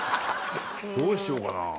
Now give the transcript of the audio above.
どうしようかな。